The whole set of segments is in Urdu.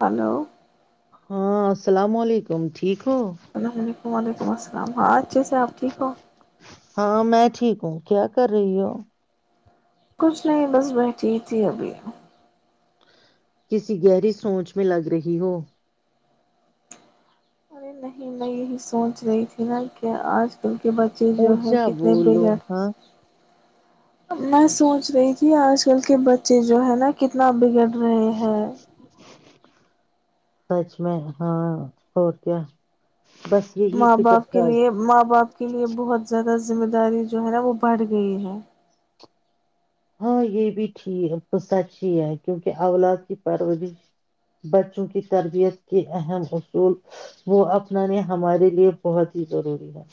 ہلو ہاں السلام علیکم ٹھیک ہو السلام علیکم وعلیکم السلام ہاں اچھے سے آپ ٹھیک ہو ہاں میں ٹھیک ہوں کیا کر رہی ہ کچھ نہیں بس بیٹھی تھی ابھی کسی گہری سوچ میں لگ رہی ہو ارے نہیں میں یہی سوچ رہی تھی نا کہ آج ان کے بچے جو ہیں اونچا کتنے بولو بگڑ ہاں میں سوچ رہی کہ آج کل کے بچے چیز جو ہے نا کتنا بگڑ رہے ہیں جی سچ میں ہاں ہو کیا بس یہی ماں فکر باپ کے تھا لیے ماں باپ کے لیے بہت زیادہ ذمہ داری جو ہے نا وہ بڑھ گئی ہے ہاں یہ بھیٹھیک سچ ہی ہے کیونکہ اولاد کی پرورش بچوں کی تربیت کے اہم اصول وہ اپنانے ہمارے لیے بہت ہی ضروری ہے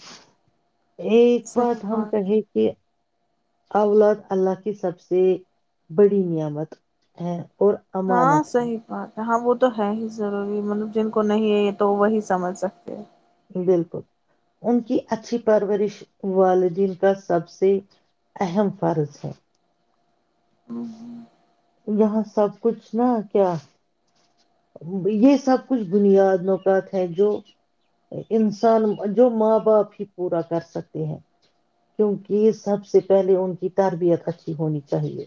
ایک صحیح بات ہم ہے کہے کہ اولاد اللہ کی سب سے بڑی نعمت ہے اور ہاں امانت ہے صحی بات ہاں وہ تو ہے ہی ضروری مطلب جن کو نہیں ہے یہ تو وہی سمجھ سکتے ہے بالکل ان کی اچھی پرورش والدین کا سب سے اہم فرض ہے ہیں یہاں سب کچھ نا کیا یہ سب کچھ بنیاد نوکات ہے جو انسان جو ماں باپ ہی پورا کر سکتے ہیں کیونکہ سب سے پہلے ان کی تربیت اچھی ہونی چاہیے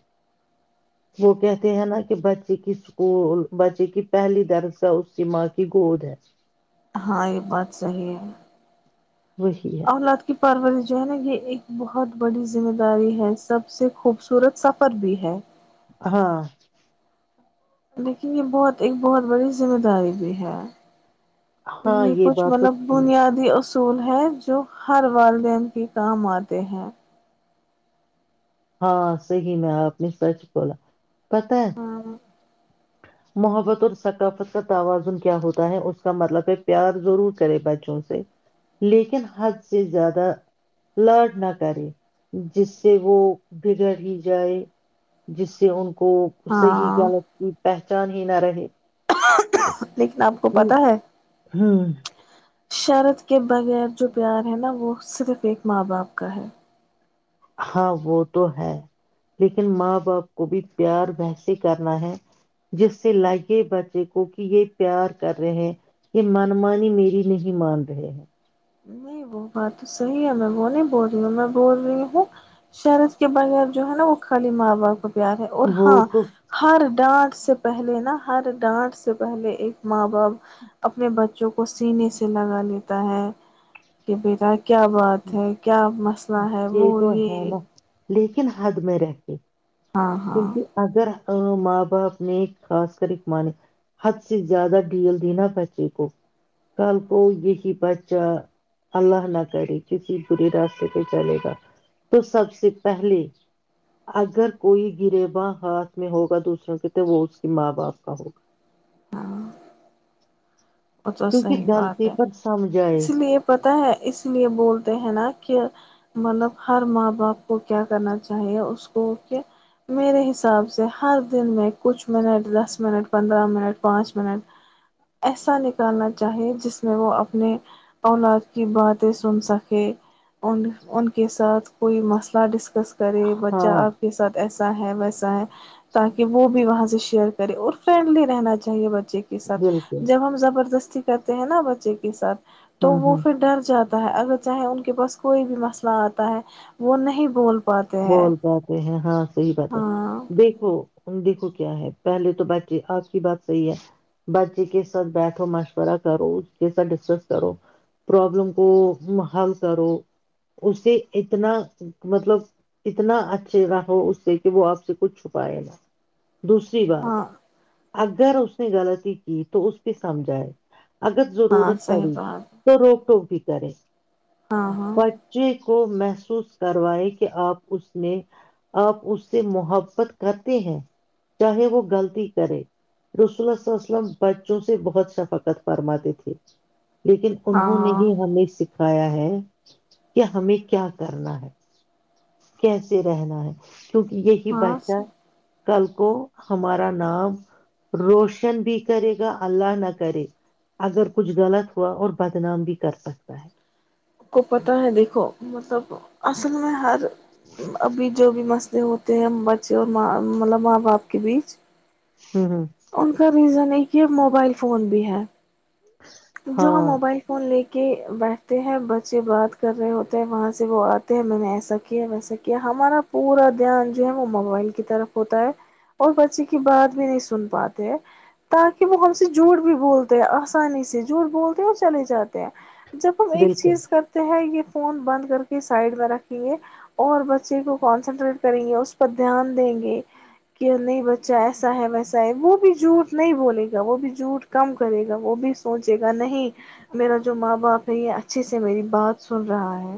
وہ کہتے ہیں نا کہ بچے کی اسکول بچے کی پہلی درسا اس کی ماں کی گود ہے ہاں یہ بات صحیح ہے وہی ہے پروری جو ہے نا یہ ایک بہت بڑی ذمہ داری ہے سب سے خوبصورت سفر بھی ہے ہاں لیکن یہ بہت ایک بہت بڑی ذمہ داری بھی ہے ہاں یہ کچھ بات تو مطلب تھی بنیادی اسول اصول ہے جو ہر والدین کے کام آتے ہیں ہاں صحی میں اپپنی سچ بولا پتاہ محبت اور ثقافت کا توازن کیا ہوتا ہے اس کا مطلب ہے پیار ضرور کرے بچوں سے لیکن حد سے زیادہ لاڈ نہ کرے جس سے وہ بگڑ ہی جائے جس سے ان کو ص سے ہی ہاں کیا ل پہچان ہی نہ رہے لیکن آپ کو پتا ہے ہوں شرد کے بغیر جو پیار ہے نا وہ صرف ایک ماں باپ کا ہے ہاں وہ تو ہے لیکن ماں باپ کو بھی پیار ویسے کرنا ہے جس سے لگے بچے کو کہ یہ پیار کر رہے ہیں یہ من مانی میری نہیں مان رہے ہیں نہیں وہ بات تو صحیح ہے میں وہ نہیں بول رہی ہوں میں بول رہی ہوں شرت کے بغیر جو ہے نا وہ خالی ماں باپ کو پیار ہے اور وہ ہاں تو ہر ڈانس سے پہلے نا ہر ڈانٹ سے پہلے ایک ماں ب اپنے بچو جو کو سینے سے لگا لیتا ہے کی بیرا کیا بات ہے کیا مسئلہ ہے وہ یہ تو ہے یہ نا لیکن حد میں رہ کے ہاں ہاں کیونکہ اگر ہاں ماں باپ نے خاص کر ایک مان حد سے زیادہ ڈیل د نا بچے کو کل کو یہی بچہ اللہ نہ کرے کسی برے راستے پہ چلے گا تو سب سے پہلے اگر کوئی گربا ہاتھ میں ہوگا دوسروں کے تو وہ اس کے ماں باپ کا ہوگا وہ تو کیونکہ صحیح بات غلطی ہے پر سمجھائے اس لیے پتہ ہے اس لیے بولتے ہیں نا کہ مطلب ہر ماں باپ کو کیا کرنا چاہیے اس کو کہ میرے حساب سے ہر دن میں کچھ منٹ دس منٹ پندرہ منٹ پانچ منٹ ایسا کرنا چاہیے جس میں وہ اپنے اولاد کی باتیں سن سکے ان کے ساتھ کوئی مسئلہ ڈسکس کرے بچہ ہاں آپ کے ساتھ ایسا ہے ویسا ہے تاکہ وہ بھی وہاں سے شیئر کرے اور فرینڈلی رہنا چاہیے بچے کے ساتھ بالکل جب ہم زبرد دستی کرتے ہیں نا بچے کے ساتھ تو ہوں وہ ہوں پھر ڈر جاتا ہے اگر چاہے ان کے پاس کوئی بھی مسئلہ آتا ہے وہ نہیں بول پ بول پتے ہیں ہاں صحی بات ہے ہاں دیکھو دیکھو کیا ہے پہلے تو بچے آپ کی بات صحیح ہے بچے کے ساتھ بیٹھو مشورہ کرو اس کے ساتھ ڈسکس کرو پرابلم کو حل کرو اسے اتنا مطلب اتنا اچھے نہ ہو اس سے کہ وہ آپ سے کچھ چھپائے نا دوسری بات ہاں اگر اس نے غلطی کی تو اس کی سمجھائے اگر ہاں ضرورت صحیح پڑی بات تو روک ٹوک دی سر ہاں ہاں بچی کو محسوس کروائے کہ آپ اس میں آپ اس سے محبت کرتے ہیں چاہے وہ غلطی کرے رسول ال وسلم بچوں سے بہت شفقت فرماتے تھے لیکن انہوں نے ہاں ہی ہمیں س کھایا ہے کہ ہمیں کیا کرنا ہے کیسے رہنا ہے کیونکہ یہی ہاں بچہ کل کو ہمارا نام روشن بھی کرے گا اللہ نہ کرے اگر کچھ غلط ہوا اور بدنام بھی کر سکتا ہے کو پتہ ہے دیکھو مطلب اصل میں ہر ابھی جو بھی مسئلے ہوتے ہیں بچے اوراں مطلب ماں باپ کے بیچ ہاں ہاں ان کا ریزن یہ کہ موبائل فون بھی ہے جو ہم ہاں موبائل فون لے کے کہ بیٹھتے ہیں بچے بات کر رہے ہوتے ہیں وہاں سے وہ آتے ہیں میں نے ایسا کیا ویسا کیا ہمارا پورا دھیان جو ہے وہ موبائل کی طرف ہوتا ہے اور بچے کی بات بھی نہیں سن پاتے ہیں تاکہ وہ ہم سے جھوٹ بھی بولتے ہیں آسانی سے جھوٹ بولتے اور چلے جاتے ہیں جب ہم ایک بالکل چیز کرتے ہیں یہ فون بند کر کے سائڈ میں رکھیں گے اور بچے کو کانسنٹریٹ کریں گے اس پر دھیان دیں گے کہ نہیں بچہ ایسا ہے ویسا وہ بھی جھوٹ نہیں بولے گا وہ بھی جھوٹ کم کرے گا وہ بھی سوچے گا نہیں میرا جو ماں باپ تو یہ اچھے سے میری بات سن رہا ہے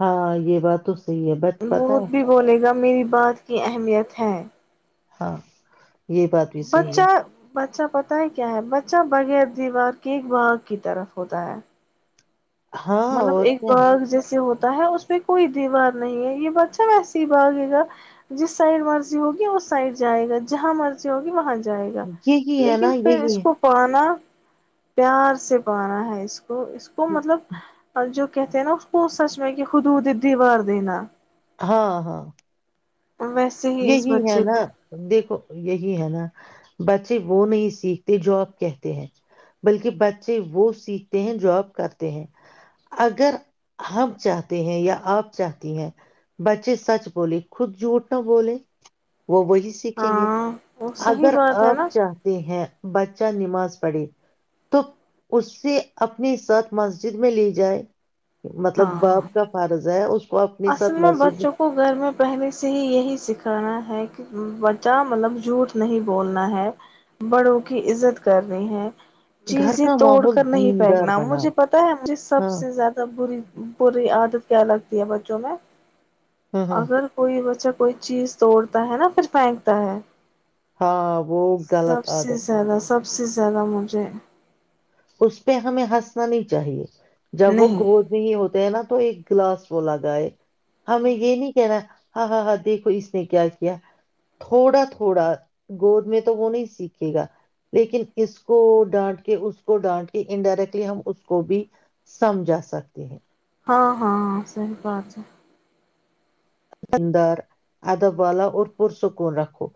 ہاں یہ بات تو صحیح ہے بٹ پتا ہے بھی بولے گا میری بات کی اہمیت ہے ہاں یہ بات بھی صحی ہے بچہ بچہ پت ہے کیا ہے بچہ بغیر دیوار کے باغ کی طرف ہوتا ہے ہاں مطلب اور ایک باغ جیسے ہوتا اس پہ کوئی دیوار نہیں ہے یہ بادشہ وس باگے گا جس سائڈ مرضی ہوگی اس سائڈ جائے گا جہاں مرضی ہوگی وہاں جائے گا کیا یہی ہے لیکن نا پھر یہی اس ہے کو پانا پیار سے پانا ہے اس کو تو اس کو مطلب اور جو کہتے ہیں نا اس کو سچ میں کہ خودود دیوار دینا ہاں ہاں ویسے ہی اس یہی ہے بچے نا کو دیکھو یہی ہے نا بچے وہ نہیں سیکھتے جو آپ کہتے ہیں بلکہ بچے وہ سیکھتے ہیں جو آپ کرتے ہیں اگر ہم چاہتے ہیں یا آپ چاہتی ہیں بچے سچ بول خود جوٹ نہ بولے وہ وہی سیکھیں گے ہاں وہ صحیح اگر بات ہے نا آپ چاہتے ہیں بچہ نماز پڑھے تو اس سے اپنی سط مسجد میں لے جائے مطلب ہاں باپ کا فارض ہے اس کو اپنے اصل ساتھ میں مسجد بچوں کو گھر میں پہنے سے ہی یہی سکھانا ہے کہ بچہ مطلب جھوٹ نہیں بولنا ہے بڑوں کی عزت کرنی ہے گھر چیزیں کا توڑ ماحول کر نہیں دیندار پھینکنا بناؤ مجھے پتا ہے مجھے سب ہاں سے زیادہ بری پوری عادت کیا لگتی ہے ب چلو ہاں ہاں اگر کوئی بچہ کوئی چیز توڑتا ہے نا پھر پھینکتا ہے ہاں وہ غلط سب سے عادت ہے زیادہ سب سے زیادہ مجھے اس پہ ہمیں ہنسنا نہیں چاہیے جب وہ نہیں گود نہیں ہوتے ہیں نا تو ایک کلاس وہلا گائے ہمیں یہ نہیں کہنا ہاں ہاں ہاں دیکھو اس نے کیا کیا تھوڑا تھوڑا گود میں تو وہ نہیں سیکھے گا لیکن اس کو ڈانٹ کے اس کو ڈانٹ کے انڈائریکٹلی ہم اس کو بھی سمجھا سکتے ہیں ہاں ہاں ہاں صحی بات ہے اندر ادب والا اور پر سکون رکھو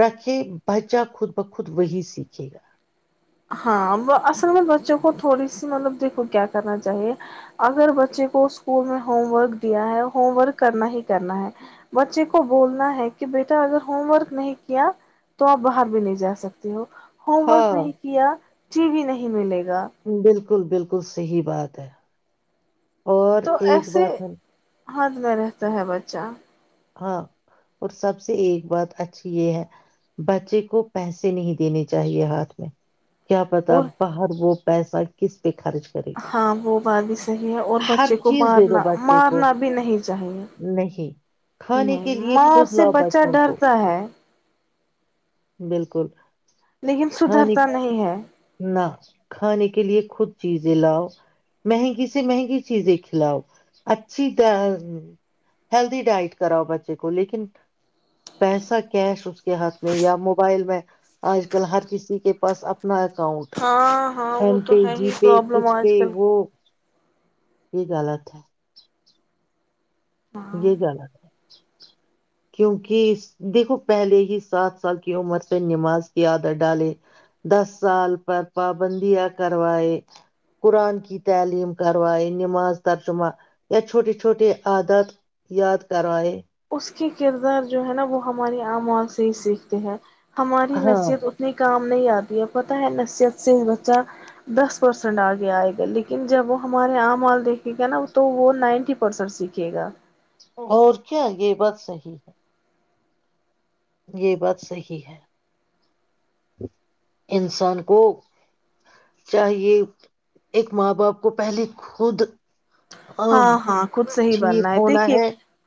راکھی بچہ خود بخود وہی سیکھے گا ہاں اصل میں بچوں کو تھوڑی سی مطلب دیکھو کیا کرنا چاہیے اگر بچے کو اسکول میں ہوم ورک دیا ہے ہوم ورک کرنا ہی کرنا ہے بچے کو بولنا ہے کہ بیٹا اگر ہوم ورک نہیں کیا تو آپ باہر بھی نہیں جا سکتے ہو ہوم ورک ہاں نہیں جی بھی نہیں ملے گا بالکل بالکل بالکل صحیح بات ہے اور ایک بات ہے ہھ میں رہتا ہے بچہ ہاں اور سب سے ایک بات اچھی یہ ہے بچے کو پیسے نہیں دینے چاہیے ہاتھ میں کیا پتا اور باہر وہ پیسہ کس پہ خرچ کرے گا ہاں وہ بات بھی صحیح ہے اور ہر بچے کو چیز دے دو مارنا بچے کو مارنا بھی نہیں چاہیے نہیں کھانے نہیں کے لیے ماں اور خود سے لاؤ بچہ بچوں کو ڈرتا ہے [unintelligible] بالکل لیکن کھانے سدھرتا نہیں ہے نہ کھانے کے لیے خود چیزیں لاؤ مہنگی سے مہنگی چیزیں کھلاؤ اچھی ہیلدی ڈائٹ کراؤ بچے کو لیکن پیسہ کیش اس کے ہاتھ میں یا موبائل میں آج کل ہر کسی کے پاس اپنا اکاؤنٹ ہاں ہاں وہ ایم تو پے ہے جی ہی پے پرابلم کچھ آج پے کل وہ کی ل ا تھا ہے یہ گال ہے کیونکہ دیکھو پہلے ہی سات سال کی عمر پہ نماز کی عادت ڈالے دس سال پر پابندیاں کروائے قرآن کی تعلیم کروائے نماز ترجمہ یا چھوٹے چھوٹے عادت یاد کرا ہے اس کے کردار جو ہے نا وہ ہماری عاماں سے ہی سیکھتے ہیں ہماری ہاں نصیحت اتنی کام نہیں آتی ہے پت ہے نصیحت سے بچہ دس پرسینٹ آگے آئے گا لیکن جب وہ ہمارے آام آال دیکھے گا نا تو وہ نائنٹی پرسینٹ سیکھے گا اور کیا یہ بات صحی ہے یہ بات صحیح ہے انسان کو چاہیے ایک ماں باپ کو پہلے خود ہاں ہاں کھ صحیح ٹھیک بننا ہے ہونا دیکھیے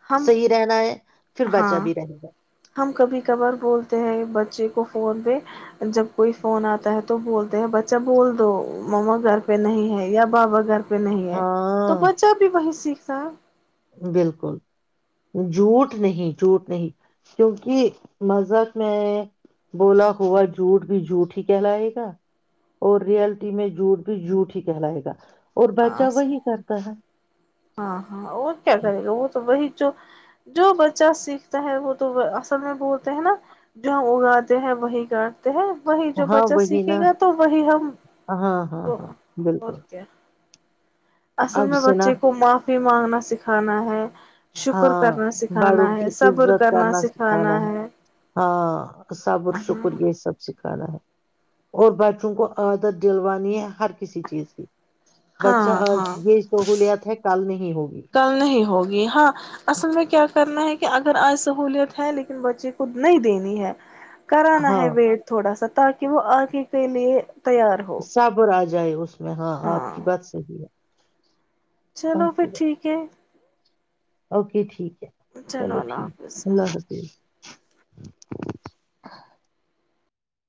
ہم صحیح رہنا ہے پھر بچا ہاں بھی رہے گا ہم کبھی کبار بولتے ہیں بچے کو فون پہ جب کوئی فون آتا ہے تو بولتے ہیں بچہ بول دو مما گھر پہ نہیں ہے یا بابا گھر پہ پہ نہیں ہے تو ہاں بچہ بھی وہی سیکھ سات بالکل جھوٹ نہیں جھوٹ نہیں کیونکہ مذہب میں بولا ہوا جھوٹ بھی جھوٹ ہی کہلائے گا اور رئلٹی میں جھوٹ بھی جھوٹ ہی کہلائے گا اور بچہ ہاں وہی کرتا ہے ہاں ہاں اور کیا کرے گا وہ تو وہی جو جو بچہ سیکھتا ہے وہ تو اصل میں بولتے ہیں نا جو ہم اگاتے ہیں وہی گ وہی جو ہاں بچہ وہی نا سیکھے گا تو وہی ہم ہاں ہاں وہ ہاں اور بالکل کیا اصل اب میں سنا بچے کو معافی مانگنا سکھانا ہے شکر ہاں کرنا بڑوں سکھانا کی ہے صبر عزت کرنا سکھانا ہے ہاں صبر شکر یہ سب کھانا ہے اور بچوں کو عادت دلوانی ہے ہر کسی چیز کی بچہ ہاں آج ہاں یہ سہولیات ہے کل نہیں ہوگی گل نہیں ہوگی ہاں اصل میں کیا کرنا ہے کہ اگر آج سہوولت ہے لیکن بچے کو نہیں دینی ہے کران ہاں ہے ویٹ تھوڑا سا تاکہ وہ آگے کے لیے تیار ہو سبراج جائے اس میں ہاں آپ کی بات صحیح ہے چلو آپ پھر کی بات ٹھیک ہے اوکے ٹھیک چلو اللہ ٹھیک حافظ اللہ حافظ